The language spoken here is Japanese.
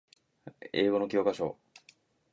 英語の教科書